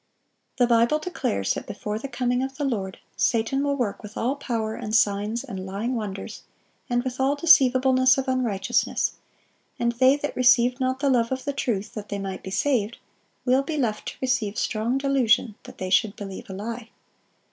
The Bible declares that before the coming of the Lord, Satan will work "with all power and signs and lying wonders, and with all deceivableness of unrighteousness;" and they that "received not the love of the truth, that they might be saved," will be left to receive "strong delusion, that they should believe a lie."